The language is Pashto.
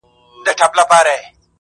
تم سه چي مسکا ته دي نغمې د بلبل واغوندم,